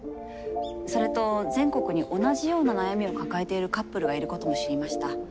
それと全国に同じような悩みを抱えているカップルがいることも知りました。